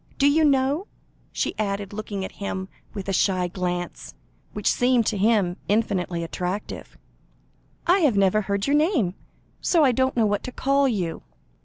Do you know," she added, looking at him with a shy glance, which seemed to him infinitely attractive, "I have never heard your name, so I don't know what to call you."